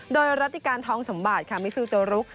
โดยรัติการทองสมบัติค่ะมิฟิลตัวลุก